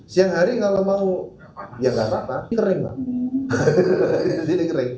siang hari kalau mau ya gak apa apa kering lah